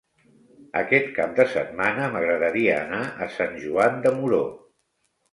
Aquest cap de setmana m'agradaria anar a Sant Joan de Moró.